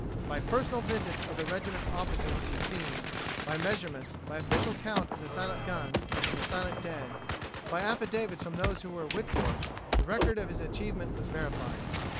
By personal visits of the regiment's officers to the scene, by measurements, by official count of the silent guns and the silent dead, by affidavits from those who were with York, the record of his achievement was verified.